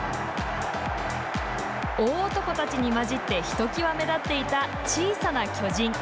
大男たちに混じってひときわ目立っていた小さな巨人。